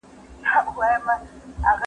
سبزېجات وچ کړه!